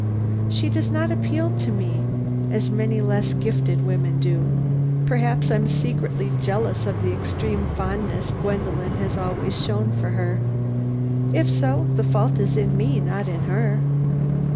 '" "She does not appeal to me as many less gifted women do. Perhaps I am secretly jealous of the extreme fondness Gwendolen has always shown for her. If so, the fault is in me, not in her."